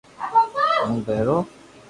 ھون پيرو